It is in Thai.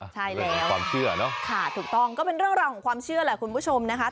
ใช่แล้วค่ะถูกต้องก็เป็นเรื่องราวของความเชื่อแหละคุณผู้ชมนะคะ